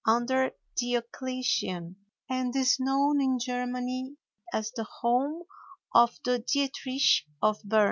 under Diocletian, and is known in Germany as the Home of the Dietrich of Bern.